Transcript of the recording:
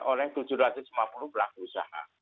oleh tujuh ratus lima puluh pelaku usaha